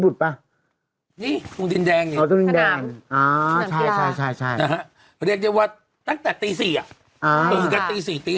ตั้งแต่ตี๔ตี๕